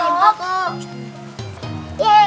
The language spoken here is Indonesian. nah nanti melimpah kok